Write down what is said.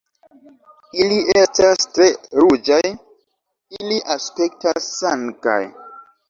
"Ili estas tre ruĝaj. Ili aspektas sangaj."